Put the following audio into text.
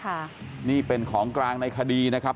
ค่ะนี่เป็นของกลางในคดีนะครับ